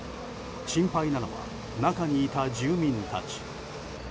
心配なのは中にいた住民たち。